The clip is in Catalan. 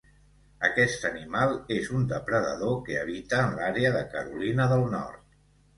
Aquest animal és un depredador que habita en l'àrea de Carolina del Nord.